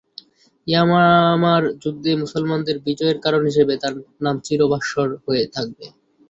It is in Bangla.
ইয়ামামার যুদ্ধে মুসলমানদের বিজয়ের কারণ হিসাবে তার নাম চির ভাস্বর হয়ে থাকবে।